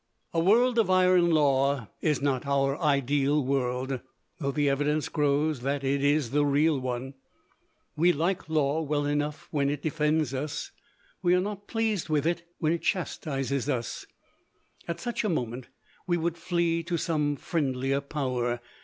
A world of iron law is not our ideal world, though the evidence grows that it is the real one. We like law well enough when it defends us; we are not pleased with it when it chastises us. At such a moment we would flee to some friendlier power.